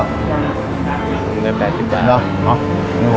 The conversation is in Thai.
ยังไง๘๐บาทหรอหรอ